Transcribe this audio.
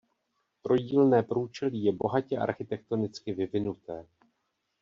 Trojdílné průčelí je bohatě architektonicky vyvinuté.